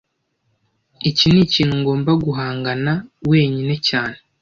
Iki nikintu ngomba guhangana wenyine cyane